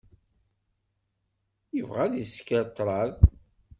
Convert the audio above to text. Yebɣa ad isker ṭṭrad.